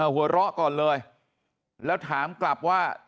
หัวเราะก่อนเลยแล้วถามกลับว่า